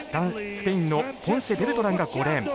スペインのポンセベルトランが５レーン。